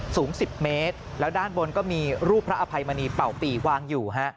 สูง๑๐เมตรแล้วด้านบนก็มีรูปพระอภัยมณีเป่าปีวางอยู่ฮะ